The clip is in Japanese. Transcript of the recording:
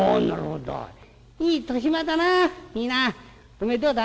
「おめえどうだ？」。